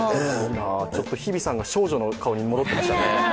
日比さんが少女の顔に戻ってましたね。